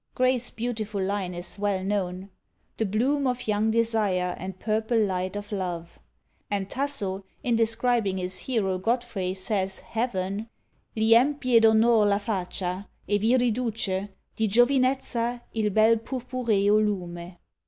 Gray's beautiful line is well known: The bloom of young desire and purple light of love. And Tasso, in describing his hero Godfrey, says, Heaven Gli empie d'onor la faccia, e vi riduce Di Giovinezza il bel purpureo lume.